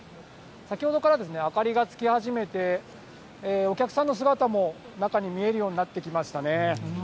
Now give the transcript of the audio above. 先ほどから、明かりがつき始めて、お客さんの姿も中に見えるようになってきましたね。